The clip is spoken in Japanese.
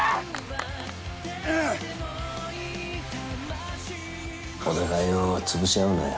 お互いを潰し合うなよ。